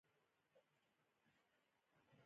د نړۍ له ګوټ ګوټ څخه خلک د وینز لیدو ته راځي